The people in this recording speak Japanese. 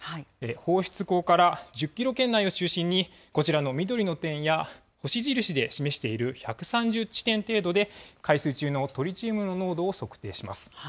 放出口から１０キロ圏内を中心に、こちらの緑の点や星印で示している１３０地点程度で海水中のトリチウムの濃度を測定します。